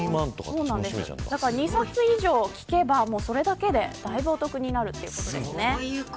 ２冊以上聴けばそれだけでだいぶお得になるということですね。